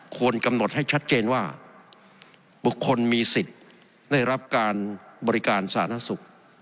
ควรกำหนดให้ชัดเจนว่าบุคคลมีสิทธิ์ได้รับการบริการสาธารณสุข